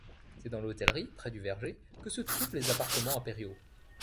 C'est dans l'hôtellerie, près du verger, que se trouvent les appartements impériaux.